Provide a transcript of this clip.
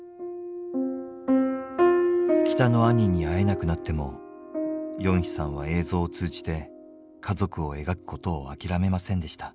北の兄に会えなくなってもヨンヒさんは映像を通じて家族を描くことを諦めませんでした。